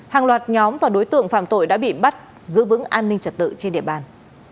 hàng loạt nhóm và đối tượng phạm tội đã bị bắt giữ vững an ninh trật tự trên địa bàn